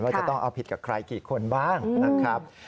จะต้องเอาผิดกับใครกี่คนบ้างนะครับ